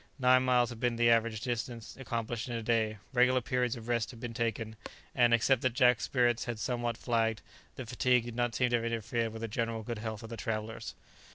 Nine miles had been the average distance accomplished in a day; regular periods of rest had been taken, and, except that Jack's spirits had somewhat flagged, the fatigue did not seem to have interfered with the general good health of the travellers.